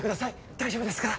大丈夫ですから。